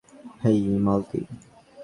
হেই, মালতী!